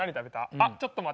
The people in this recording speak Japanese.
あちょっと待って。